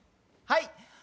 はい。